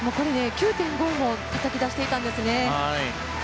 ９．５をたたき出していたんですね。